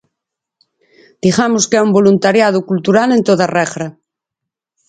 Digamos que é un voluntariado cultural en toda regra.